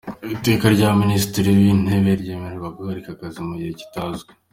Iteka rya Minisitiri w‟Intebe ryemerera guhagarika akazi mu gihe kitazwi,